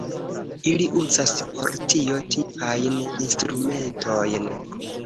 Ili uzas por tio tipajn instrumentojn.